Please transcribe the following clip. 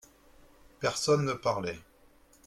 Personne ne parlait.